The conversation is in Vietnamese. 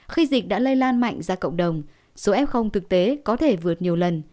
khi dịch đã lây lan mạnh ra cộng đồng số f thực tế có thể vượt nhiều lần